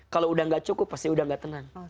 kalau udah gak cukup pasti udah gak tenang